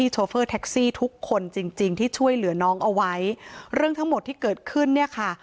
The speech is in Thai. ทุกคนจริงจริงที่ช่วยเหลือน้องเอาไว้เรื่องทั้งหมดที่เกิดขึ้นเนี่ยค่ะ